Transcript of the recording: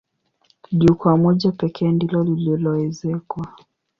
Jukwaa moja pekee ndilo lililoezekwa.